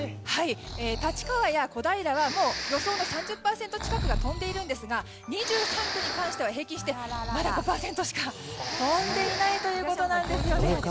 立川や小平は予想の３０％近くが飛んでいるんですが２３区に関しては、平均してまだ５％しか飛んでいないということなんです。